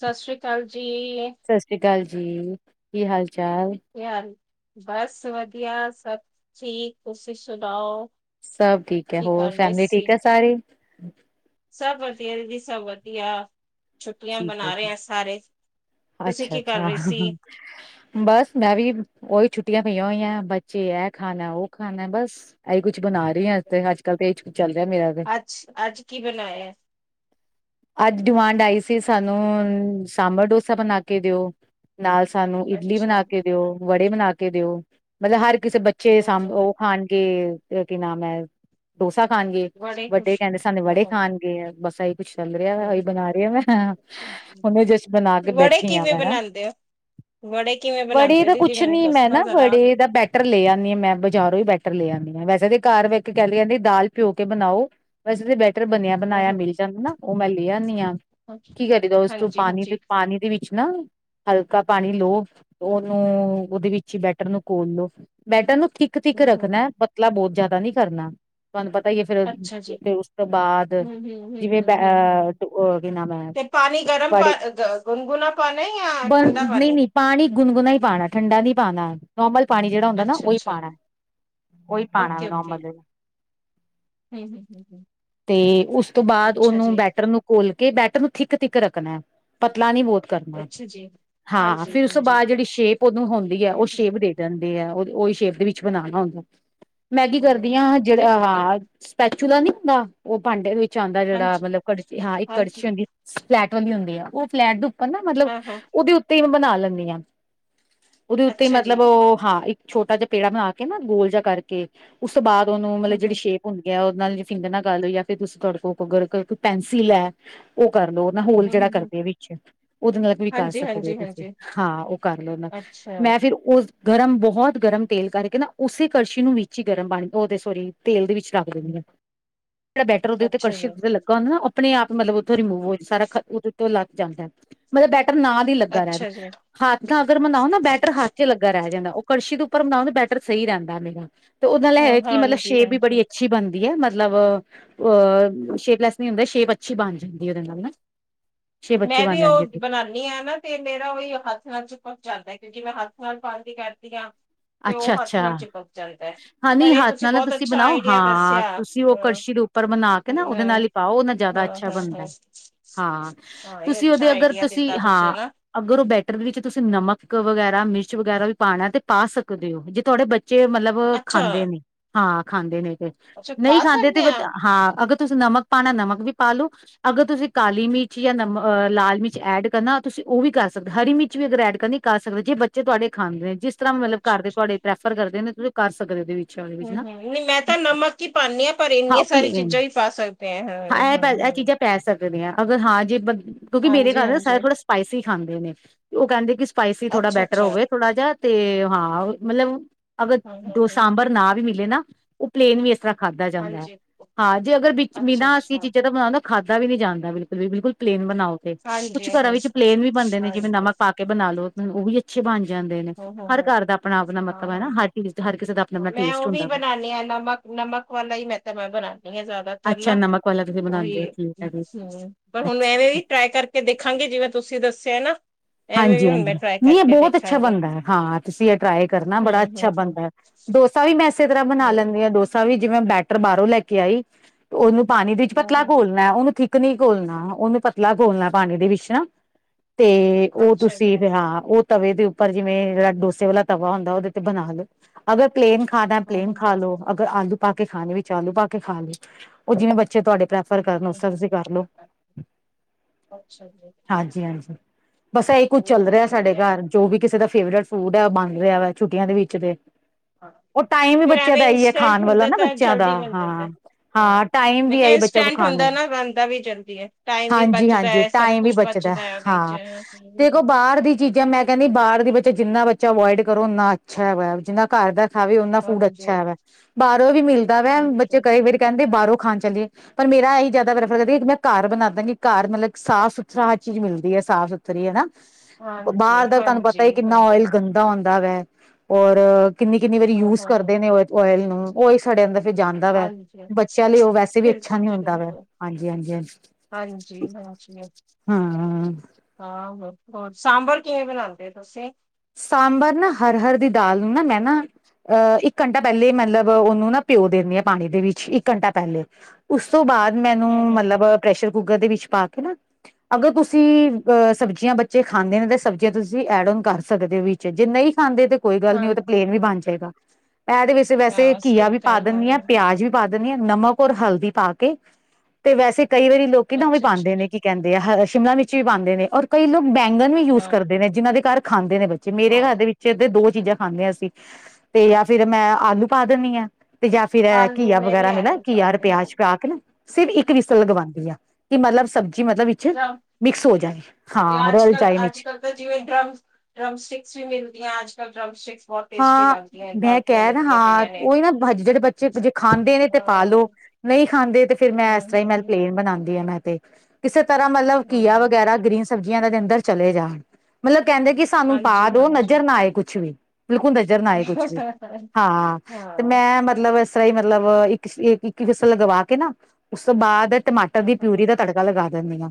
ਸਸ ਸ੍ਰੀ ਕਾਲ ਜੀ। ਸਸ ਸ੍ਰੀ ਕਾਲ ਜੀ ਕੀ ਹਾਲ ਚਾਲ? ਯ ਬਸ ਵਧੀਆ ਸਭ ਠੀਕ ਤੁਸੀਂ ਸੁਣਾਓ? ਸਭ ਠੀਕ ਹੈ, ਕੀ ਹੋਰ ਕਰ ਰਹੇ ਫੈਮਲੀ ਸੀ? ਠੀਕ ਹੈ ਸਾਰੀ। ਸਭ ਵਧੀਆ ਦੀਦੀ ਸਭ ਵਧੀਆ। ਛੁੱਟੀਆ ਠੀਕ ਹੈ ਮਨਾ ਜੀ। ਰਹੇ ਹ ਸਾਰੇ, ਤੁਸੀਂ ਕੀ ਕਰ ਅੱਛਾ-ਅੱਛਾ, ਰਹੀ ਸੀ। ਬਸ ਮੈਂ ਵੀ ਉਹੀ ਛੁੱਟੀਆ ਪਈਆ ਹੋਈਆ ਬੱਚੇ ਇਹ ਖਾਣਾ ਉਹ ਖਾਣਾ ਬਸ। ਇਹੀ ਕੁਛ ਬਣਾ ਰਹੀ ਹ ਤੇ ਅੱਜ ਕੱਲ ਤਾਂ ਇਹ ਕੁ ਚੱਲ ਰਿਹਾ ਮੇਰਾ। ਤੇ। ਅੱਛ ਅੱਜ ਕੀ ਬਣਾਇਆ। ਅੱਜ ਡਿਮਾਂਡ ਆਈ ਸੀ ਸਾਨੂੰ ਸਾਂਬਰ ਡੋਸਾ ਬਣਾ ਕੇ ਦਿਓ। ਨਾਲ ਸਾਨੂੰ ਇਡਲੀ ਅੱਛਾ, ਬਣਾ ਕੇ ਦਿਓ ਵੜੇ ਬਣਾ ਕੇ ਦਿਓ, ਮਤਲਬ ਹਰ ਕਿਸੇ ਬੱਚੇ ਦੇ ਸਭ ਉਹ ਖਾਣਗੇ ਕੀ ਨਾਮ ਹੈ ਡੋਸਾ ਖਾਣਗੇ ਬੜੇ ਵੱਡੇ ਖੁਸ਼ ਕਹਿੰਦੇ ਸਾਨੇ ਹਾਂ, ਵੜੇ ਹਾਂ, ਖਾਣਗੇ। ਗੇ ਬਸ ਇਹੀ ਕੁਛ ਚੱਲ ਰਿਹਾ ਵ ਇਹੀ ਹਾਂ। ਬਣਾ ਰਹੀ ਐ ਮੈ, ਅੱਛਾ, ਉਹਨੇ ਜਿਸ ਬਣਾ ਕੇ ਵੜੇ ਬੈਠੀ ਆ ਕਿਵੇਂ ਮੈਂ ਨਾ, ਬਣਾਉਂਦੇ ਹੋ? ਵੜੇ ਕਿਵੇਂ ਬਣਾਉਂਦੇ ਵੜੇ ਹੋ ਤਾਂ ਦੀਦੀ ਕੁਛ ਮੈਨੂੰ ਨੀ ਮੈਂ ਦੱਸਣਾ ਨਾ ਜ਼ਰਾ? ਵੜੇ ਦਾ ਬੈਟਰ ਲੈ ਆਉਂਦੀ ਹਾਂ, ਮੈਂ ਬਜ਼ਾਰੋਂ ਹੀ ਬੈਟਰ ਲੈ ਆਉਦੀ ਹਾਂ ਵੈਸੇ ਤਾਂ ਘਰ ਵ ਕਹਿੰਦੀ ਕਹਿੰਦੀ ਦਾਲ ਪਿਓ ਕੇ ਬਣਾਓ। ਵੈਸੇ ਤੇ ਬੈਟਰ ਬਣਿਆ ਹਮ, ਬਣਾਇਆ ਹਮ, ਮਿਲ ਜਾਂਦਾ ਨਾ ਉਹ ਮੈਂ ਲੈ ਆਉਦੀ ਆਾਂ ਹਮ। ਕੀ ਕਰੀਦਾ ਉਸਨੂੰ ਹਾਂਜੀ ਪਾਣੀ ਦੇ ਹਾਂਜੀ, ਪਾਣੀ ਦੇ ਵਿੱਚ ਨਾ ਹਲਕਾ ਪਾਣੀ ਲਓ ਉਹਨੂੰ ਉਹਦੇ ਵਿੱਚ ਹੀ ਬੈਟਰ ਨੂੰ ਘੋਲ ਲਓ ਬੈਟਰਰ ਨੂੰ ਥਿੱਕ ਥਿੱਕ ਹੂੰ ਹੂੰ ਰੱਖਣਾ ਹੂੰ, ਪਤਲਾ ਬਹੁਤ ਜ਼ਿਆਦਾ ਨੀ ਕਰਨਾ। ਤੁਹਾਨੂੰ ਪਤਾ ਹੀ ਹੈ ਫੇਰ ਅੱਛਾ ਜੀ, ਫ ਉਸ ਤੋਂ ਬਾਅਦ ਹੂੰ ਹੂੰ ਹੂੰ ਜਿਵੇਂ ਹੂੰ ਹੂੰ ਹੂੰ। ਆ ਕੀ ਨਾਮ ਹੈ। ਤੇ ਪਾਣੀ ਗਰਮ ਪਾ ਬੜੇ ਗੁਨਗੁਣਾ ਪਾਉਣਾ ਹੈ ਜਾਂ ਬਣ ਠੰਡਾ ਨਹੀਂ ਪਾਣੀ, ਨਹੀਂ ਪਾਣੀ ਗੁਨਗੁਣਾ ਹੀ ਪਾਉਣਾ ਠੰਡਾ ਨੀ ਪਾਉਣਾ ਨੋਮਲ ਪਾਣੀ ਜਿਹੜਾ ਹੁੰਦਾ, ਨਾ ਅੱਛਾ ਉਹੀ ਅੱਛਾ ਪਾਉਣਾ ਉਹੀ ਪਾਉਣਾ ਓਕੇ ਓਕੇ ਨੋਮਲ ਹੂੰ ਹੂੰ ਹੂੰ ਹੂੰ ਤੇ ਉਸ ਤੋਂ ਬਾਅਦ ਅੱਛਾ ਉਹਨੂੰ ਜੀ ਬੈਟਰ ਨੂੰ ਘੋਲ ਕੇ ਬੈਟਰ ਨੂੰ ਥਿੱ ਥਿੱਕ ਰੱਖਣਾ ਪਤਲਾ ਨੀ ਬਹੁਤ ਕਰਮਾ ਅੱਛਾ ਜੀ ਹਾਂ ਹਾਂਜੀ ਫੇਰ ਉਸ ਤੋਂ ਹਾਂਜੀ ਬਾਅਦ ਜਿਹੜੀ ਸ਼ੇਪ ਉਹਨੂੰ ਹੁੰਦੀ ਹੈ ਤੇ ਉਹ ਸ਼ੇਪ ਦੇ, ਦਦੇ ਆ ਉਹ ਉਹੀ ਸ਼ੇਪ ਦੇ ਵਿੱਚ ਬਣਾਉਣਾ ਹੁੰਦਾ ਮੈਗੀ ਕਰਦੀ ਹਾਂ ਜਿਹੜਾ ਆ ਹ ਸਪੈਚੂਲਾ ਨਹੀਂ ਹੁੰਦਾ ਉਹ ਭਾਂਡੇ ਦੇ ਵਿੱਚ ਆਉਂਦਾ ਜਿਹੜਾ ਹਾਂਜੀ ਮਤਲਬ ਕ ਹਾਂ ਇੱਕ ਹਾਂਜੀ ਕੜਛੀ ਹੁੰਦੀ ਫਲੈਟ ਵਾਲੀ ਹੁੰਦੀ ਆ ਉਹ ਫਲੈਟ ਦੇ ਉੱਪਰ ਨਾ ਮਤਲਬ ਹਾਂ ਹਾਂ ਉਹਦੇ ਉੱ ਤੇ ਬਣਾ ਲੈਂਦੀ ਹਾਂ ਉਹਦੇ ਉੱਤੇ ਅੱਛਾ ਜੀ ਮਤਲਬ ਉਹ ਹਾਂ ਇੱਕ ਛੋਟਾ ਜਿਹਾ ਪੇੜਾ ਬਣਾ ਕੇ ਨਾ ਗੋਲ ਜ ਕਰਕੇ ਉਸ ਤੋਂ ਬਾਦ ਉਹਨੂੰ ਮਤਲਬ ਹੂੰ ਜਿਹੜੀ ਹੂੰ ਸ਼ੇਪ ਭੁੰਣ ਗਿਆ ਉਹਦੇ ਨਾਲ ਜੇ ਫਿੰਗਰ ਨਾਲ ਗੱਲ ਹੋਈ ਜਾਂ ਫਿਰ ਤੁਸੀਂ ਗੜਕੋਰ ਕੋਈ ਪੈਨਸਿਲ ਹੈ ਉਹ ਕਰ ਲਓ ਨਾ ਹੋਲ ਹੂੰ ਜਿਹੜਾ ਹੂੰ ਹੂੰ ਕਰਦੇ ਵਿੱਚ, ਉਹਦੇ ਨਾਲ ਵੀ ਕਰ ਹਾਂਜੀ ਸਕਦੇ ਹੋ ਹਾਂਜੀ ਤੁਸੀਂ ਹਾਂਜੀ ਹਾਂ ਉਹ ਕਰ ਲਿਓ ਨਾਲ ਅੱਛਾ ਮੈਂ ਫਿਰ ਉਹ ਗਰਮ ਬਹੁਤ ਗਰਮ ਤੇਲ ਕਰਕੇ ਨਾ ਉਸੇ ਕੜਛੀ ਨੂੰ ਵਿੱਚ ਹੀ ਗਰਮ ਪਾਣੀ ਉਹਦੇ ਸੋਰੀ ਤੇਲ ਦੇ ਵਿੱਚ ਰੱਖ ਦਿੰਦੀ ਹਾਂ ਜਿਹੜਾ ਬੈਟਰ ਉਹਦੇ ਉੱਤੇ ਅੱਛਾ ਕੜਛੀ ਜੀ ਤੇ ਲੱਗਾ ਹੁੰਦਾ ਨਾ ਆਪਣੇ ਆਪ ਮਤਲਬ ਰਿੂਵ ਹੋ ਸਾਰਾ ਉਹਦੇ ਤੋਂ ਲੱਗ ਜਾਂਦਾ ਮਤਲਬ ਬੈਟਰ ਨਾਂ ਦੀ ਲੱਗਾ ਅੱਛਾ ਜੀ ਰਹਿੰਦਾ ਹੱਥ ਅਗਰ ਬਨਾਓ ਨਾ ਬੈਟਰ ਹੱਥ ਚੰਗ ਲੱਗਾ ਰਹਿ ਜਾਂਦਾ ਉਹ ਕੜਸ਼ੀ ਦੇ ਉੱਪਰ ਹੁੰਦਾ ਉਹਦੇ ਬੈਟਰ ਸਹੀ ਰਹਿੰਦਾ ਮੇਰਾ ਤੇ ਉਹਦੇ ਹਾਂ ਨਾਲ ਕਿ ਮਤਲਬ ਹਾਂਜੀ ਸ਼ੇਪ ਵੀ ਹਾਂਜੀ ਬੜੀ ਅੱਛੀ ਅੱਛੀ ਬਣਦੀ ਹੈ ਮਤਲਬ ਅਹ ਸ਼ੇਪਲੈਸ ਨਹੀਂ ਹੁੰਦਾ ਸ਼ੇਪ ਅੱਛੀ ਬਣ ਜਾਂਦੀ ਉਹਦੇ ਨਾਲ ਹਨਾ। ਮੈਂ ਵੀ ਉਹ ਬਣਾਉਣੀ, ਨਹੀਂ ਹੈ ਨਾ ਤੇ ਮੇਰਾ ਉਹੀ ਹੱਥ ਨਾਲ ਚ ਪ ਜਾਂਦਾ ਕਿਉਂਕਿ ਮੈਂ ਹੱਥ ਨਾਲ ਪਾਉਣਦੀ ਕਰਦੀ ਹਾਂ। ਅੱਛਾ ਅੱਛਾ ਹਾਂ ਨ ਪਰ ਇਹ ਹੱਥ ਨਾਲ ਨਾ ਬਹੁਤ ਤੁਸੀਂ ਅੱਛਾ ਬਣਾਓ ਆਈਡੀਆ ਹਾਂ ਦੱਸਿਆ ਤੁਸੀਂ ਉਹ ਹਾਂ। ਕੜਸ਼ੀ ਰੂਪ ਉਪਰ ਬਣਾ ਕੇ ਨਾ ਹਮ ਉਹਦੇ ਹਾਂ ਨਾਲ ਹੀ ਪਾਓ ਉਹਦੇ ਨਾ ਜ਼ਿਆਦਾ ਹਾਂ ਅੱਛਾ ਬਣਦਾ ਹਾਂ ਹਾਂ ਹਾਂ ਇਹ ਤੁਸੀਂ ਅੱਛਾ ਉਹਦੇ ਅਗਰ ਆਈਡੀਆ ਤੁਸੀਂ ਦਿੱਤਾ ਹਾਂ ਨਾ ਅਗਰ ਉਹ ਬੈਟਰ ਦੇ ਵਿੱਚ ਤੁਸੀਂ ਨਮਕ ਵਗੈਰਾ ਮਿਰਚ ਵਗੈਰਾ ਵੀ ਪਾਉਣਾ ਤੇ ਪਾ ਸਕ ਦਿਓ ਜੇ ਤੁਹਾਡੇ ਬੱਚੇ ਮਤਲਬ ਅੱਛਾ ਖਾਂਦੇ ਨੇ ਹਾਂ ਖਾਂਦੇ ਨੇ ਤੇ, ਅੱਛਾ ਨਹੀਂ ਪਾ ਖਾਂਦੇ ਤੇ ਸਕਦੇ ਹਾਂ ਅਗਰ ਤੁਸੀਂ ਨਮਕ ਪਾਉਣਾ ਨਮਕ ਵੀ ਪਾ ਲਓ ਅਗਰ ਤੁਸੀਂ ਕਾਲੀ ਮਿਰਚ ਜਾਂ ਨਮ ਲਾਲ ਮਿਰਚ ਐਡ ਕਰਨਾ ਤੁਸੀਂ ਉਹ ਵੀ ਕਰ ਸਕਦੇ ਹੋ ਹਰੀ ਮਿਰਚ ਵੀ ਅਗਰ ਐਡ ਕਰਨੀ। ਕਰ ਸਕਦੇ ਜੇ ਬੱਚੇ ਤੁਹਾਡੇ ਖਾਂਦੇ ਨੇ ਜਿਸ ਤਰ੍ਹਾਂ ਮਤਲਬ ਘਰ ਹਮ ਤੁਹਾਡੇ ਪ੍ਰੈਫਰ ਕਰਦੇ ਨੇ ਤੁਸੀਂ ਕਰ ਸਕਦੇ ਇਵੇ - ਹਮ ਹਮ ਨਹੀਂ ਮੈਂ ਤਾਂ ਨਮਕ ਹੀ ਪਾਨੀ ਹਾਂ ਪਰ ਇੰਨੀਆਂ ਸਾਰੀ ਚੀਜ਼ਾਂ ਹੀ ਪਾ ਸਕਦੇ ਹਾਂ ਇਹ ਪੈ ਇਹ ਹਾ-ਹਾ, ਚੀਜ਼ਾਂ ਪੈ ਸਕਦੇ ਹਾਂ ਅਗਰ ਹਾਂ ਜੇ ਕਿਉਂਕਿ ਮੇਰੇ ਹਾਂਜੀ ਘਰ ਸਾਰੇ ਹਾਂਜੀ ਥੋੜਾ ਸਪਾਈਸੀ ਖਾਂਦੇ ਨੇ ਉਹ ਕਹਿੰਦੇ ਕਿ ਸਪਾਈਸੀ ਥੋੜ੍ਹਾ ਅੱਛਾ ਬੈਟਰ ਅੱਛਾ ਹੋਵੇ ਥੋੜ੍ਹਾ ਜਿਹਾ ਤੇ ਹਾਂ ਮਤਲਬ ਅਗਰ ਹਮ ਹਮ ਦੋ ਹਮ ਸਾਂਬਰ ਨਾ ਵੀ ਮਿਲੇ ਨਾ ਉਹ ਪਲੇਨ ਵੀ ਇਸ ਤਰ੍ਹਾਂ ਖਾਧਾ ਜਾਂਦਾ ਹੈ ਹਾਂਜੀ ਹਾਂ ਜੇ ਅਗਰ ਬ ਅੱਛਾ ਬਿਨਾ ਅੱਛਾ ਅਸੀਂ ਚੀਜ਼ਾਂ ਦਾ ਬਣਾਉਦਾ ਖਾਧਾ ਵੀ ਨੀ ਜਾਂਦਾ ਬਿਲਕੁਲ ਵੀ ਬਿਲਕੁਲ ਪਲੇਨ ਬਣਾਓੇ ਹਾਂਜੀ ਕੁੱਛ ਘਰਾਂ ਵਿੱਚ ਹਾਂਜੀ ਪਲੇਨ ਵੀ ਬਣਦੇ ਨੇ ਹਾਂਜੀ ਜਿਵੇਂ ਨਮਕ ਪਾ ਕੇ ਬਣਾ ਲੋ ਉਹ ਵੀ ਅੱਛੇ ਬਣ ਜਾਂਦੇ ਨੇ ਹਮ ਹਮ ਹਰ ਹਮ ਘਰ ਦਾ ਆਪਣਾ ਆਪਣਾ ਹਾਂ ਮਤਲਬ ਹੈ ਨਾ ਹਾਂ ਹਰ ਚੀਜ਼ ਹਰ ਕਿਸੇ ਦਾ ਆਪਣਾ ਆਪਣਾ ਮੈਂ ਟੇਸਟ ਉਹ ਵੀ ਹੁੰਦਾ ਵਾ ਬਣਾਣੀ ਹਾਂ ਨਮਕ ਨਮਕ ਵਾਲਾ ਹੀ ਮੈਂ ਤਾਂ ਮੈਂ ਬਣਾਉਦੀ ਹਾਂ ਜ਼ਿਆਦਾ ਅੱਛਾ ਤਰਲਾ, ਨਮਕ ਵਾਲਾ ਤੁਸੀਂ ਉਹੀ, ਬਣਾਉਂਦੇ ਹੋ ਠੀਕ ਹੈ ਜੀ ਹੂ, ਪਰ ਹੁਣ ਅੱਛਾ ਐਵੇਂ ਵੀ ਟਰਾਈ ਕਰ ਕੇ ਦੇਖਾਗੀ ਜਿਵੇਂ ਤੁਸੀਂ ਦੱਸਿਆ ਏ ਨਾ। ਐਵੇਂ ਵੀ ਹਾਂਜੀ ਹੁਣ ਹਾਂਜੀ ਮੈਂ ਟਰਾਈ ਨਹੀਂ ਇਹ ਕਰਕੇ ਬਹੁਤ ਅੱਛਾ ਦੇਖਾਂਗੇ ਬਣ ਰਹਾ ਹੈ ਹਾਂ ਤੁਸੀਂ ਇਹ ਟਰਾਈ ਕਰਨਾ ਹੂੰ ਬੜਾ ਅੱਛਾ ਹੂੰ ਹੂੰ ਬਣਦੈ। ਡੋਸਾ ਵੀ ਮੈਂ ਇਸੇ ਤਰ੍ਹਾਂ ਬਣਾ ਹੂੰ ਲੈਂਨੀਂ ਆ, ਡੋਸਾ ਵੀ ਜਿਵੇਂ ਬੈਟਰ ਬਾਹਰੋਂ ਲੈ ਕੇ ਆਈ। ਉਹਨੂੰ ਪਾਣੀ ਦੇ ਵਿੱਚ ਹਾਂ ਪਤਲਾ ਹਾਂ ਘੋਲਣਾ ਉਹਨੂੰ ਠੀਕ। [unintelligible] ਕ ਨੀ ਘੋਲਣਾ, ਉਹਨੂੰ ਪਤਲਾ ਘੋਲਣਾ ਪਾਣੀ ਦੇ ਵਿੱਚ ਨਾ। ਉਹ ਅੱਛਾ ਜੀ ਤੁਸੀਂ ਵੇ ਹਾਂ ਉਹ। ਤਵੇ ਦੇ ਉੱਪਰ ਜਿਵੇਂ ਜਿਹੜਾ ਡੋਸੇ ਵਾਲਾ ਤਵਾ ਹੁੰਦਾ ਉਹਦੇ ਤੇ ਬਣਾ ਲਓ, ਅਗਰ। ਪਲੇਨ ਖਾਦਾ, ਹਾਂ ਪਲੇਨ ਹਾਂ ਖਾ ਹਾਂ, ਲੋ ਅਗਰ ਆਲੂ। ਪਾ ਕੇ ਖਾਣ ਵਿੱਚ ਆਲੂ ਪਾ ਕੇ ਖਾਣ ਵਿੱਚ, ਉਹ ਜਿਵੇਂ ਬੱਚੇ ਤੁਹਾਡੇ ਫੇਰ ਕਰਲੋ [unintelligible] ਸਬਜ਼ੀ ਕਰ ਲਓ, ਹਾਂ। ਅੱਛਾ ਜੀ ਹਾਂਜੀ ਹਾਂਜੀ। ਬਸ ਇਹੀ ਕੁੱਝ ਚੱਲ ਉਹ ਤਾਂ ਰਿਹਾ ਸਾਡੇ ਵਧੀਆ ਹੈ ਘਰ, ਜੋ ਵੀ ਕਿਸੇ ਦਾ ਫੇਵਰੇਟ ਫੂਡ ਹੈ, ਬਣ ਰਿਹਾ ਵ ਛੁੱਟੀਆਂ ਦੇ ਵਿੱਚ ਤੇ। ਹਾਂ ਉਹ ਟਾਈਮ ਵੀ ਫਿਰ ਬੱਚਿਆਂ ਐਵੇਂ ਦਾ ਇਹੀ ਹੈ ਇੰਸਟੈਂਟ ਖਾਣ ਵਾਲਾ ਹੁੰਦੈ ਨਾ ਤਾਂ ਬੱਚਿਆਂ ਦਾ ਜਲਦੀ ਮਿਲ ਜਾਂਦਾ ਹਾਂ ਹੈ। ਹਾਂ ਟਾਈਮ ਮੈਂ ਵੀ ਕਿਹਾ ਆਈ ਬੱਚਾ ਇੰਸਟੈਂਟ ਖਾਣ ਵਾਲਾ ਹੁੰਦਾ ਏ ਨਾ ਬੰਦਾ ਵੀ ਜਲਦੀ ਏ, ਟਾਈਮ ਵੀ ਹਾਂਜੀ ਬਚਦਾ ਹਾਂਜੀ ਐ, ਸਭ ਟਾਈਮ ਵੀ ਕੁਛ ਬਚਦਾ ਐ। ਹਾਂ ਮ [unintelligible] [inaudible] ਦੇਖੋ, ਬਾਹਰ ਦੀ ਚੀਜ਼ਾਂ, ਮੈਂ ਕਹਿੰਦੀ ਬਾਹਰ ਦੀ [unintelligible] ਜਿੰਨਾ ਬੱਚਾ ਅਵੋਇਡ ਕਰੋ, ਉੰਨਾ ਅੱਛਾ ਹੈਗਾ, ਜਿੰਨਾ ਘਰ ਦਾ ਖਾਵੇ ਉਹਦਾ ਫੂਡ ਅੱਛਾ ਹਾਂਜੀ ਹੈਗਾ, ਬਾਹਰੋਂ ਵੀ ਮਿਲਦਾ ਵੈ, ਬੱਚੇ ਬਿਲਕੁਲ ਕਈ ਵਾਰ ਕਹਿੰਦੇ ਬਾਹਰੋਂ ਖਾਣ ਚੱਲੀਏ। ਪਰ ਮੇਰਾ ਇਹੀ ਜ਼ਿਆਦਾ ਪ੍ਰੈਫਰ ਬਈ, ਮੈਂ ਘਰ ਬਣਾ ਦਾਂਗੀ, ਘਰ ਮਤਲਬ ਸਾਫ਼ ਸੁਥਰਾ ਹਰ ਚੀਜ਼ ਮਿਲਦੀ ਹੈ ਸਾਫ਼ ਸੁ। ਉਰੀ ਹੈ ਨਾ, [unintelligible] ਹਾਂਜੀ ਬਾਹਰ ਹਾਂਜੀ ਦਾ ਤੁਹਾਨੂੰ ਪਤਾ ਈ ਹਾਂਜੀ ਕਿੰਨਾ ਹਾਂਜੀ ਓਇਲ ਗੰਦਾ ਹੁੰਦਾ ਵੈ ਔਰ। ਕਿੰਨੀ ਕਿੰਨੀ ਵਾਰੀ ਹਾਂ ਯੂਜ ਹਾਂ ਹਾਂ ਕਰਦੇ ਨੇ, ਓਇਲ ਨੂੰ ਉਹੀ ਸਾਡੇ ਅੰਦਰ ਫਿਰ ਜਾਂਦਾ ਵੈ, ਹਾਂਜੀ, ਬੱਚਿਆਂ ਲਈ ਉਹ ਵੈਸੇ ਵੀ ਅੱਛਾ ਨੀ ਹੁੰਦਾ ਵੈ, ਹਾਂਜੀ, ਹਾਂਜੀ। ਹਾਂਜੀ [unintelligible] ਹੂੰ ਅ। ਆਹ, ਹੋਰ, ਸਾਂਬਰ ਕਿਵੇਂ ਬਣਾਉਦੇ ਤੁਸੀਂ। ਸਾਂਬਰ ਨਾ ਹਰ ਹਰ ਦੀ ਦਾਲ ਨੂੰ ਨਾ ਮੈਂ ਨਾ। ਅਹ, ਇੱਕ ਘੰਟਾ ਪਹਿਲੇ ਮਤਲਬ ਉਹਨੂੰ ਨਾ ਭਿਓ ਦਿੰਦੇ ਹਾਂ ਪਾਣੀ ਦੇ ਵਿੱਚ, ਇੱਕ ਘੰਟਾ ਪਹਿਲੇ। ਉਸ ਤੋਂ ਬਾਅਦ ਮੈਨੂੰ, ਹੂੰ-ਹੂੰ, ਮਤਲਬ ਪ੍ਰੈਸ਼ਰ ਕੁੱਕਰ ਦੇ ਵਿੱਚ ਪਾ ਕੇ ਨਾ। ਅਗਰ ਤੁਸੀਂ, ਅਹ, ਸਬਜ਼ੀਆਂ ਬੱਚੇ ਖਾਂਦੇ ਨੇ ਤਾਂ ਸਬਜ਼ੀਆਂ ਤੁਸੀਂ ਐਡ ਓਨ ਕਰ। ਸਕਦੇ ਵਿੱਚ, ਜੇ ਨਹੀਂ ਖਾਂਦੇ ਤੇ ਕੋਈ ਗੱਲ ਨੀ ਹਾਂ। ਉਹ ਤਾਂ ਪਲੇਨ ਵੀ ਬਣ ਜਏਗਾ, ਇਹਦੇ ਵਿੱਚ ਵੈਸੇ ਹਾਂ, ਘੀਆ ਸਕਿਪ ਵੀ ਪਾ ਕਰ ਦਿਨੀਂ ਆ ਪਿਆਜ ਵੀ, ਪਾ ਦਿੰਣੀ ਆ ਨਮਕ ਔਰ ਹਲਦੀ ਪਾ ਕੇ, ਤੇ ਵੈਸੇ ਕਈ ਵਾਰੀ ਲੋਕੀਂ ਨਾ ਓ ਵੀ ਪਾਉਂਦੇ ਅੱਛਾ-ਅੱਛਾ, ਨੇ ਕਿ। ਕਹਿੰਦੇ ਆ ਹ ਸ਼ਿਮਲਾ ਮਿਰਚ ਵੀ ਪਾਉਂਦੇ ਨੇ ਔਰ ਕਈ ਲੋਕ ਬੈਂਗਨ ਵੀ ਯੂਜ ਹਾਂ-ਹਾਂ। ਕਰਦੇ ਨੇ ਜਿਹਨਾਂ ਦੇ ਘਰ। ਖਾਂਦੇ ਨੇ ਬੱਚੇ, ਮੇਰੇ ਘਰ ਦੇ ਵੀ। ਚਿਰ ਤੇ ਦੋ ਚੀਜ਼ਾਂ ਖਾਂਦੇ ਆ ਅਸੀਂ ਤੇ ਜਾਂ ਫਿਰ ਮੈਂ ਆਲੂ ਪਾ ਦੇਣੀ ਆ। ਤੇ ਜਾਂ ਫੇਰ ਆਲੂ ਘੀਆ ਮੈਂ ਵੀ ਵਗੈਰਾ ਮਿਲੇ, ਆਲੂ ਘੀਆ ਪਰੌਂਠੇ ਪਿਆਜ ਬਣਾਏ। ਪਾ ਕੇ ਨਾ, ਸਿਰਫ ਇੱਕ ਵਿਸਲ ਲਗਵਾਉਂਦੀ ਆ ਕਿ ਮਤਲਬ ਸਬਜ਼ੀ ਮਤਲਬ ਵੀ। [unintelligible] ਮਿਕਸ ਹੋ ਜਾਏ, ਇਹ ਹਾਂ ਰਲ ਅੱਜ-ਕੱਲ, ਜਾਏ ਵਿੱਚ, ਅੱਜ-ਕੱਲ ਜਿਵੇਂ ਡਰਮ, ਡਰਮ ਸਟਿਕਸ ਵੀ ਮਿਲਦੀਆਂ ਅੱਜ ਕੱਲ੍ਹ ਡਰਮ ਸਟਿਕਸ। ਬਹੁਤ ਟੇਸਟੀ ਹਾਂ, ਲੱਗਦੀਆਂ ਘਰ ਮੈਂ ਦੀਆਂ ਕਹਿ ਨਾ ਮਿਲਦੀਆਂ ਹਾਂ ਪਈਆਂ ਨੇ। ਉਹੀ ਨਾ [unintelligible] ਜਿਹੜੇ ਬੱਚੇ ਜੇ ਖਾਂਦੇ ਨੇ ਤੇ ਪਾਲੋ। ਹਾਂਜੀ-ਹਾਂਜੀ। ਨਹੀਂ ਖਾਂਦੇ ਤੇ ਫੇਰ ਮੈਂ ਇਸ ਹਾਂ, ਤਰ੍ਹਾਂ ਹੀ, ਮੈਂ ਹੈਗੀਆਂ ਪਲੇਨ ਬਣਾਉਂਦੀ ਆਂ ਮੈਂ ਤੇ। ਕਿਸੇ ਤਰ੍ਹਾਂ ਮਤਲਬ ਘੀਆ ਹਾਂ। ਵਗੈਰਾ ਗ੍ਰੀਨ ਸਬਜ਼ੀਆਂ ਇਨ੍ਹਾਂ ਦੇ ਅੰਦਰ ਚਲੇ ਜਾਣ ਮਤਲਬ ਕਹਿੰਦੇ ਕਿ। ਸਾਨੂੰ ਪਾ ਹਾਂਜੀ ਦੋ, ਹਾਂਜੀ ਨਜ਼ਰ ਨਾ ਆਏ ਕੁੱਛ ਵੀ ਬਿਲਕੁਲ ਨਜ਼। ਜ਼ਰ ਨਾ ਆਏ ਕੁਛ ਵੀ, ਹਾਂ ਤੇ ਹਾਂ ਮੈਂ ਮਤਲਬ ਇਸ [unintelligible] ਸਹੀ ਮਤਲਬ ਇੱਕ ਇੱਕ ਵਿਸਲ ਲਗਵਾ ਕੇ ਨਾ ਉਸ ਤੋਂ ਬਾਅਦ। ਟਮਾਟਰ ਦੀ ਪਿਊਰੀ ਦਾ ਤੜਕਾ ਲਗਾ ਦਿੰਦੀ ਆ,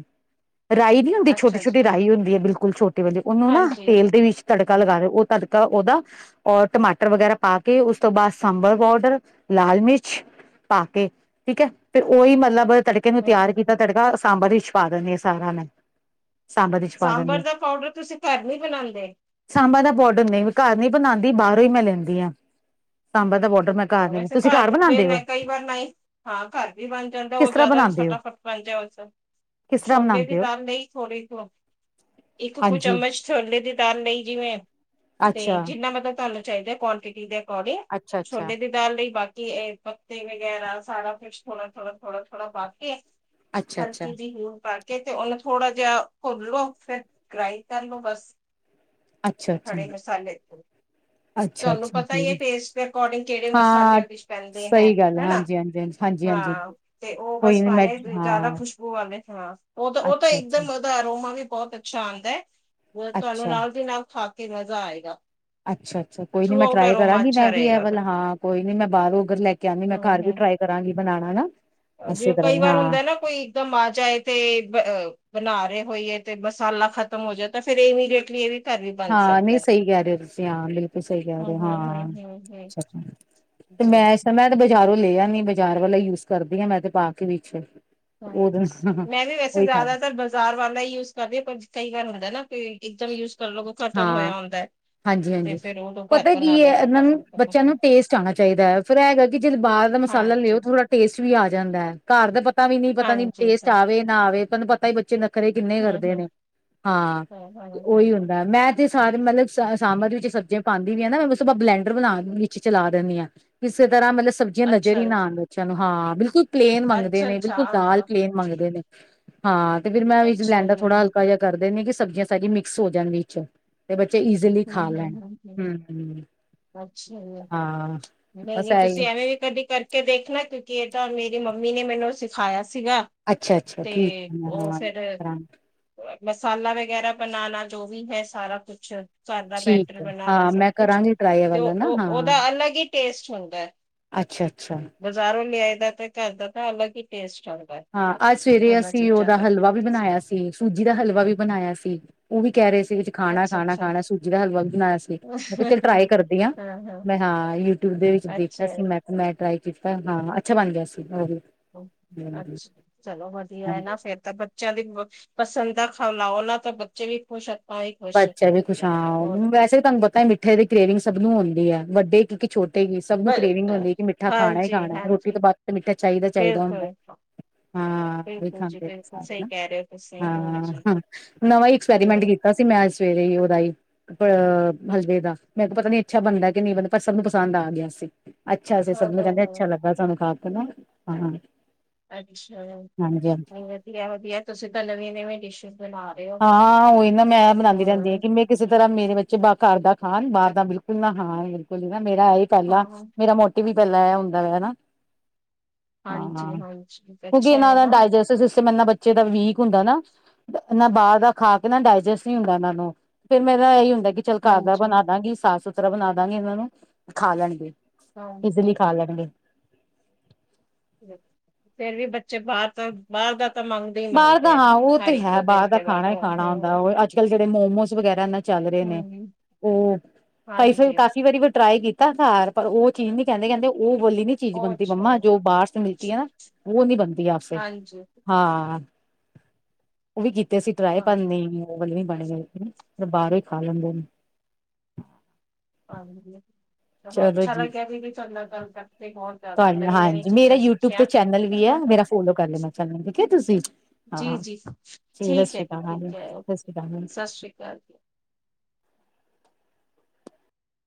ਰਾਈ ਨੀ ਹੁੰਦੀ ਛੋਟੀ ਅੱਛਾ ਜੀ, ਛੋਟੀ ਰਾਈ ਹੁੰਦੀ ਹੈ ਬਿਲਕੁਲ ਛੋਟੀ। ਉਹਨੂੰ ਨਾ ਹਾਂਜੀ। ਤੇਲ ਦੇ ਵਿੱਚ ਤੜਕਾ ਲਗਾ ਰ ਉਹ ਤੜਕਾ ਉਹਦਾ। ਔਰ ਟਮਾਟਰ ਵਗੈਰਾ ਪਾ ਕੇ ਉਸ ਤੋਂ ਬਾਅਦ ਸਾਂਬਰ ਪਾਊਡਰ ਲਾਲ ਮਿਰਚ। ਪਾ ਕੇ, ਠੀਕ ਹੈ, ਤੇ ਉਹੀ ਮਤਲਬ ਤੜ। ਕੇ ਨੂੰ ਤਿਆਰ ਕੀਤਾ ਤੜਕਾ ਸਾਂਬਰ ਵਿੱਚ ਪਾ ਦੇਨੀ ਆ ਸਾਰਾ ਮੈ। ਸਾਂਬਰ ਦਾ ਪਾਊਡਰ ਤੁਸੀਂ ਘਰ ਨਹੀਂ ਬਣਾਉਦੇ। ਸਾਂਬਾਂ ਦਾ ਪਾੋਡਰ ਨਹੀਂ ਘਰ ਨੀ ਬਣਾਉਂਦੀ ਬਾਹਰੋਂ ਹੀ ਮੈਂ ਲੈਂਦੀ ਹਾਂ ਸਾਂਬਾ ਦਾ ਪਾਡਰ ਵੈਸੇ ਘਰ ਜੇ ਕਈ ਵਾਰ ਨਾ ਹੀ ਹਾਂ ਘਰ ਵੀ ਬਣ ਜਾਂਦਾ ਕਿਸ ਉਹ ਤਰ੍ਹਾਂ ਜ਼ਿਆਦਾ ਬਣਾਉਂਦੇ ਹੋ ਫਟਾਫਟ ਮਾ ਉਹਸ ਕਿਸ ਤਰ੍ਹਾਂ ਛੋਨੇ ਦੀ ਬਣਾਉਂਦੇ ਹੋ ਤਾਂਮ ਨਹੀਂ ਥੋੜੀ ਥ ਇੱਕ ਕੁ ਹਾਂਜੀ ਚਮਚ ਥਲੇੇ ਦੀ ਤਾਰ ਲਈ ਜਿਵੇਂ ਤੇ ਅੱਛਾ ਜਿੰਨਾ ਮਤਲਬ ਤਾਨੂੰ ਚਾਹੀਦਾ ਕੁਆਂਟਿਟੀ ਦੇ ਅਕੋਰਡਿੰਗ ਅੱਛਾ ਅੱਛਾ ਛੋਟੇ ਦੇ ਦ ਲਈ ਬਾਕੀ ਇਹ ਪੱਤੇ ਵਗੈਰਾ ਸਾਰਾ ਕੁਛ ਥੋੜਾ ਥੋੜਾ ਥੋੜਾ ਥੋੜਾ ਪਾ ਕੇ ਅੱਛਾ ਹਲਕ ਅੱਛਾ ਜੀ ਹ ਪਾ ਤੇ ਉਹਨੂੰ ਥੋੜਾ ਜਿਹਾ ਘੁੱਲ ਲੋੋ ਫਿਰ ਗ੍ਰਾਈੰਡ ਕਰ ਲੋ ਬਸ ਅੱਛਾ ਹੜੇ ਮਸਾਲੇ ਤੇ ਅੱਛਾ ਅੱਛਾ ਤੁਹਾਨੂੰ ਪਤਾ ਹੀ ਅੱਛਾ ਇਹ ਟੇਸਟ ਅਕੋਰਡਿੰਗ ਕਿਹੜੇ ਹਾਂ ਮਸਾਲੇ ਡ ਪੈਂਦੇ ਹੈ ਸਹੀ ਗੱਲ ਹਨਾ ਹਾਂਜੀ ਹਾਂਜੀ ਹਾਂਜੀ ਹਾਂਜੀ ਹਾਂਜੀ ਹਾਂ ਤੇ ਉਹ ਕੋਈ ਬਸ ਨੀ ਮੈਂ ਪਾਣੇ ਜ਼ਿਆਦਾ ਹਾਂ ਖੁਸ਼ਬੂ ਵਾਲੇ ਸ ਉਹ ਤਾਂ ਉਹ ਤਾਂ ਅੱਛਾ ਅੱਛਾ ਇੱਕਦਮ ਦਾ ਰੋਮਾ ਵੀ ਬਹੁਤ ਅੱਛਾ ਆਉਂਦਾ ਹੈ ਤੁਹਾਨੂੰ ਅੱਛਾ ਨਾਲ ਦੀ ਨਾਲ ਖਾ ਕੇ ਮਜ਼ਾ ਆਏਗਾ ਅੱਛਾ ਅੱਛਾ ਕੋਈ ਨੀ ਥਰੂ ਮੈਂ ਆਊਟ ਟਰਾਈ ਅਰੋਮਾ ਕਰਾਂਗੀ ਮੈਂ ਅੱਛਾ ਵੀ ਇਹ ਰਹੇਗਾ ਵੱਲ ਉਹਦਾ। ਹਾਂ ਕੋਈ ਨੀ ਮੈਂ ਬਾਹਰੋਂ ਉਧਰ ਲੈ ਕੇ ਆਉਂਦੀ ਮੈਂ ਘਰ ਹਮ ਵੀ ਟਰਾਈ ਕਰਾਂਗੀ ਬਣਾਉਣਾ ਹਨਾ ਜੇ ਕਈ ਵਾਰ ਹੁੰਦਾ ਨਾ ਕੋਈ ਇਕਦਮ ਆ ਜਾਏ ਤੇ ਬਣਾ ਰਹੇ ਹੋਈਏ ਤੇ ਮਸਾਲਾ ਖਤਮ ਹੋ ਜਾਏ ਤਾਂ ਫੇਿਰ ਇਮੀਡੀਏਟਲੀ ਇਹ ਵੀ ਘਰ ਵੀ ਬਣ ਹਾਂ ਨਹੀਂ ਸਕਦਾ ਸਹੀ ਕਹਿ ਰਹੇ ਹੋ ਤੁਸੀਂ ਹਾਂ ਬਿਲਕੁਲ ਸਹੀ ਕਹਿ ਹਮ ਰਹੇ ਹੋ ਹਮ ਹਾਂ ਹਮ ਹਮ ਹਮ ਅੱਛਾ ਅੱਛਾ ਤੇ ਜੀ ਮੈਂ ਮੈਂ ਤੇ ਬਾਜ਼ਾਰੋਂ ਲੈ ਆ ਨ ਬਾਜ਼ਾਰ ਵਾਲਾ ਯੂਜ ਕਰਦੀ ਹਾਂ ਮੈਂ ਤੇ ਪਾ ਕੇ ਵਿੱਚ ਹਾਂ ਉਹਦੇ ਮੈਂ ਵੀ ਵੈਸੇ ਉਹੀ ਖਾ ਜ਼ਿਆਦਾਤਰ ਬਾਜ਼ਾਰ ਵਾਲਾ ਹੀ ਯੂਜ ਕਰਦੀ ਹਾਂ ਪਰ ਕਈ ਗਾਰ ਹੁੰਦਾ ਨਾ ਕੋ ਇਕਦਮ ਯੂਜ ਕਰਨ ਲ ਖਤਮ ਹਾਂ ਹੋਇਆ ਹੁੰਦਾ ਹੈ ਹਾਂਜੀ ਹਾਂਜੀ ਪਤਾ ਕੀ ਹੈ ਇਹਨਾਂ ਨੂੰ ਬੱਚਿਆਂ ਫਟਾਫਟ ਨੂੰ ਟੇਸਟ ਆਉਣਾ ਚਾਹੀਦਾ ਹੈ ਫਿਰ ਹੈਗਾ ਕਿ ਜਦੋਂ ਬਾਹਰ ਦਾ ਮਸਾਲਾ ਲਿਓ ਹਾਂਜੀ ਥੋੜਾ ਟੇਸਟ ਵੀ ਆ ਜਾਂਦਾ ਹੈ ਘਰ ਦਾ ਪਤਾ ਵੀ ਨੀ ਪਤਾ ਨੀ ਹਾਂਜੀ ਟੇਸਟ ਹੂੰ ਆਵੇ ਨਾ ਆਵੇ ਤੁਹਾਨੂੰ ਪਤਾ ਹੀ ਬੱਚੇ ਨਖਰੇ ਕਿੰਨੇ ਕਰਦੇ ਹੂੰ ਨੇ ਹਾਂ ਉਹੀ ਹੁੰਦਾ ਮੈਂ ਸਾਰੇ ਮਤਲਬ ਸ ਸਾਮ ਦੀ ਵਿੱਚ ਸਬਜ਼ੀਆਂ ਪਾਉਂਦੀ ਵੀ ਹੈ ਨਾ ਮੈਂ ਆਪਾਂ ਬਲੈਂਡਰ ਬਣਾ ਨ ਚਲਾ ਦਿੰਦੀ ਹਾਂ ਕਿਸੇ ਤਰ੍ਹਾਂ ਮਤਲਬ ਸਬਜ਼ੀਆਂ ਨਜ਼ਰ ਅੱਛਾ ਹੀ ਨਾ ਆਉਣ ਬੱਚਿਆਂ ਨੂੰ ਹਾਂ ਬਿਲਕੁਲ ਪਲੇਨ ਮੰਗਦੇ ਅੱਛਾ ਨੇ ਬਿਲਕੁਲ ਦਾਲ ਅੱਛਾ ਪਲੇਨ ਮੰਗਦੇ ਨੇ ਹਾਂ ਤੇ ਫੇਿਰ ਮੈਂ ਵੀ ਅੱਛਾ ਲੈਂਦਾ ਜੀ ਥੋੜਾ ਹਲਕਾ ਜਿਹਾ ਕਰ ਦਿੰਦੀ ਹਾਂ ਕਿ ਸਬਜ਼ੀਆਂ ਸਾਰੀਆਂ ਮਿਕ ਸ ਹੋ ਜਾਣ ਵਿੱਚ ਤੇ ਬੱਚੇ ਈਜ਼ਲੀ ਹੂੰ ਖਾ ਹੂੰ ਲੈਣ ਹੂੰ ਹਮ ਅੱਛਾ ਜੀ ਹਾਂ ਨਹੀਂ ਬਸ ਨਹੀਂ ਤੁਸੀਂ ਇਹੀ ਐਵੇਂ ਵੀ ਕਦੀ ਕਰ ਕੇ ਦੇਖਣਾ ਕਿਉਂਕਿ ਇਹਦ ਮੇਰੀ ਮੰਮੀ ਨੇ ਮੈਨੂੰ ਸਿਖਾਇਆ ਸੀਗਾ ਅੱਛਾ ਅੱਛਾ ਤੇ ਠੀਕ ਉਹ ਹੈ ਫਿਰ ਕਰਾਂਗੇ ਮਸਾਲਾ ਵਗੈਰਾ ਬਣਾਉਣਾ ਜੋ ਵੀ ਹੈ ਸਾਰਾ ਕੁਛ ਸਾਦਾ ਠੀਕ ਬੈਟਰ ਹੈ ਬਣਾਉਣਾ ਹਾਂ ਸਭ ਮੈਂ ਕੁਛ ਕਰਾਂਗੀ ਟਰਾਈ ਤੇ ਵਾਲਾ ਨਾ ਹਾਂ ਉਹਦਾ ਅਲਗ ਹੀ ਟੇਸਟ ਹੁੰਦਾ ਹੈ ਅੱਛਾ ਅੱਛਾ ਬਜ਼ਾਰੋਂ ਲਿਆਏ ਦਾ ਤੇ ਘਰ ਦਾ ਤਾਂ ਅਲਗ ਹੀ ਟੇਸਟ ਹੈ ਹਾਂ ਅੱਜ ਸਵੇਰੇ ਦੋਨਾਂ ਅਸੀਂ ਚੀਜ਼ਾਂ ਉਹਦਾ ਦਾ ਹਲਵਾ ਵੀ ਅੱਛਾ ਬਣਾਇਆ ਸੀ ਤੇ ਸੂਜੀ ਦਾ ਹਲਵਾ ਵੀ ਬਣਾਇਆ ਸੀ ਉਹ ਵੀ ਕਹਿ ਰਹੇ ਸੀਗੇ ਖਾਣਾ ਖਾਣਾ ਅੱਛਾ ਖਾਣਾ ਸੂਜੀ ਦਾ ਹਲਵਾ ਵੀ ਬਣਾਇਆ ਸੀ ਮੈਂ ਚੱਲ ਟਰਾਈ ਕਰਦੀ ਹਾਂ। ਮੈਂ ਹਾਂ ਯੂਟਿਊਬ ਦੇ ਵਿੱਚ ਅੱਛਾ ਦੇਖਿਆ ਸੀ ਮੈਂ ਮੈਂ ਟ੍ਰਈ ਕੀਤਾ ਹਾਂ ਅੱਛਾ ਬਣ ਗਿਆ ਸੀ ਉਹ ਵੀ ਅੱਛਾ ਚਲੋ ਵਧੀਆ ਹੈ ਹਾਂਜੀ ਨਾ ਫੇਿਰਰ ਤਾਂ ਬੱਚਿਆਂ ਦੀ ਪਸੰਦ ਦਾ ਖਾ ਲਾਓ ਨਾ ਤਾਂ ਬੱਚੇ ਵੀ ਖੁਸ਼ ਆਪਾਂ ਵੀ ਖੁਸ਼ ਬੱਚਾ ਵੀ ਖੁਸ਼ ਹੋਰ ਹਾਂ ਕੀ ਵੈਸੇ ਵੀ ਤੁਹਾਨੂੰ ਪਤਾ ਮਿੱਠੇ ਦੀ ਗ੍ਰੇਵਿੰਗ ਸਭ ਨੂੰ ਆਉਦੀ ਹੈ ਵੱਡੇ ਕਿਉਕ ਛੋ ਤੇ ਸਭ ਨੂੰ ਬ- ਕਰੇਵਿੰਗ ਹੁੰਦੀ ਹੈ ਕਿ ਮਿੱਠਾ ਖਾਣਾ ਹੀ ਹਾਂਜੀ ਖਾਣਾ ਰੋਟੀ ਹਾਂਜੀ ਤੋਂ ਬਾਅਦ ਮਿੱਠਾ ਚਾਹੀਦਾ ਚਾਹੀਦਾ ਹੁੰਦਾ ਬਿਲਕੁਲ ਹਾਂ ਵੀ ਬਿਲਕੁਲ ਜੀ ਖਾਂਦੇ ਨੇ ਬਿਲਕੁਲ ਸਾਰੇ ਸਹੀ ਕਹਿ ਰਹੇ ਹੋ ਤੁਸੀਂ ਹਾਂ ਹਾਂਜੀ ਹ ਨਵਾਂ ਹਾਂ ਐਕਸਪੈਰੀਮੈਂਟ ਕੀਤਾ ਸੀ ਮੈਂ ਸਵੇਰੇ ਹੀ ਉਹਦਾ ਹੀ। ਅ ਹਲਵੇ ਦਾ ਮੈਂ ਕੋ ਪਤਾ ਨੀ ਅੱਛਾ ਬਣਦਾ ਕਿ ਨਹੀਂ ਬਣਦਾ ਪਰ ਸਭ ਨੂੰ ਪਸੰਦ ਆ ਗਿਆ ਸੀ ਅੱਛਾ ਅਸੀਂ ਸਭ ਨੂੰ ਕਹਿੰਦੇ ਹਾਂ ਅੱਛਾ ਲੱਗਾ ਸਾਨੂੰ ਖਾ ਕੇ ਨਾ ਹਾਂ ਹਾਂਜੀ ਅ ਵਧੀਆ ਵਧੀਆ ਤੁਸੀਂ ਤਾਂ ਨਵੇ ਨਵੇਂ ਡਿਸ਼ ਬਣਾ ਰਹੇ ਹੋ ਹਾਂ ਉਹੀ ਨਾ ਮੈਂ ਬਣਾਉਂਦੀ ਰਹਿੰਦੀ ਹ ਹਾਂ ਕਿਵੇਂ। ਇਸੇ ਤਰ੍ਹਾਂ ਮੇਰੇ ਬੱਚੇ ਘਰ ਦਾ ਖਾਣ ਬਾਹਰ ਦਾ ਬਿਲਕੁਲ ਨਾ ਖਾਣ ਬਿਲਕੁਲ ਹੀ ਬੰਦਾ ਮੇਰਾ ਇਹ। ਪਹਿਲਾਂ ਹਾਂ ਮੇਰਾ ਮੋਟਿਵ ਵੀ ਪਹਿਲਾਂ ਹੁੰਦਾ ਵ ਹਨਾ। ਹਾਂ ਹਾਂਜੀ ਹਾ ਹਾਂਜੀ ਕਿਉਂਕਿ ਅੱਛਾ ਇਹਨਾਂ ਹੈ ਦਾ ਨਾ ਡਾਇਜਸਟਿ ਸਿਸਟਮ ਇਨਾ ਬੱਚੇ ਦਾ ਵੀਕ ਹੁੰਦਾ ਨਾ। ਨਾ ਬਾਹਰ ਦਾ ਖਾ ਕੇ ਨਾ ਡਾਇਜੈਸਟ ਨਹੀਂ ਹੁੰਦਾ ਇਹਨਾਂ ਨੂੰ ਫ਼ਿਰ ਮੇਰਾ ਇਹੀ ਹੁੰਦਾ ਕਿ। ਝਲ ਘਰ ਦਾ ਹਾਂਜੀ ਬਣਾ ਦਾਂਗੀ ਸਾਫ਼ ਸੁਥਰਾ ਬਣਾ ਦਾਗੀ ਇਹਨਾਂ ਨੂੰ ਖਾ ਲੈਣਗੇ। ਏਡਲੀ, ਹਾਂਜੀ ਖਾ ਲੈਣਗੇ। ਫੇਰ ਵੀ ਬੱਚੇ ਬਾਹਰ ਦਾ ਤੋਂ ਬਾਹਰ ਦਾ ਤਾਂ ਮੰਗ। ਬਾਹਰ ਦਾ ਹਾਂ ਉਹ ਤੇ ਹੈ ਬਾਹਰ ਦਾ ਖਾਣਾ ਬਾਅਦ ਹੀ ਖਾਣਾ ਹੁੰਦਾ ਹੂੰ ਉਹ ਅਜ। ਅੱਜ ਕਲ ਜਿਹੜੇ ਮੋਮੋਸ ਵਗੈਰਾ ਏਹਨੇ ਚੱਲ ਰਹੇ ਨੇ ਹੂੰ ਉਹ ਕਈ ਵਾਰੀ ਹਾਂਜੀ ਕਾਫੀ ਵਾਰੀ ਮ ਟਰਾਈ ਕੀਤੀ। ਤਾਂ ਸ਼ਾਰ ਪਰ ਉਹ ਚੀਜ਼ ਨੀ ਕਹਿੰਦੇ ਕਹਿੰਦੇ ਉਹ ਬੋਲੀ ਨੀ। ਚੀਜ਼ ਉਹ ਬਣਦੀ ਅੱਛਾ ਮੰਮਾ ਜੋ ਬਾਹਰ ਸੇ ਮਿਲਤੀ ਹੈ, ਨਾ ਉਹ ਨੀ ਬਣਦੀ ਆਪਸੇ। ਹਾਂਜੀ ਹਾਂ ਉਹ ਵੀ ਕੀਤੇ ਅਸੀ ਟਰਾਏ ਹਾਂ ਕਰ ਲੈਈਏ। ਘਰ ਵੀ ਬਣੇ ਹੋਏ ਤੇ ਬਾਹਰੋਂ ਵੀ ਖਾ ਲੈਂਦੇ। ਹਾਂਜੀ ਚਲੋ ਅੱਛਾ ਲੱਗਿਆ ਸੀ ਵੀ ਤੁਹਾਡੇ ਨਾਲ ਗੱਲ ਕਰਕੇ ਬਹੁਤ। ਜ਼ਿਆਦਾ ਤੁਹਾਡਾ ਨਾਲ ਨਵੀਂ ਨਵੀਂ ਹਾਂਜੀ, ਮੇਰਾ ਚੀਜ਼ਾਂ ਯੂਟਿਊਬ ਤੇ ਸਿੱਖੀਆਂ। ਚੈਨਲ ਵੀ ਆ ਮੇਰਾ ਫੋਲੋ ਕਰ ਲੈਣਾ, ਠੀਕ ਹੈ ਤੁਸੀਂ ਜੀ ਹਾਂ ਜੀ ਸਤਿ ਠੀਕ ਹੈ, ਸ਼੍ਰੀ ਜੀ ਅਕਾਲ ਠੀਕ ਹੈ ਸਤਿ ਓਕੇ ਸ਼੍ਰੀ ਅਕਾਲ ਸਤਿ ਸ਼੍ਰੀ ਅਕਾਲ ਜੀ।